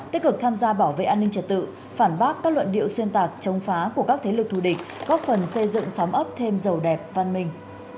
tích cực tham gia bảo vệ an ninh trật tự phản bác các luận điệu xuyên tạc chống phá của các thế lực thù địch góp phần xây dựng xóm ấp thêm giàu đẹp văn minh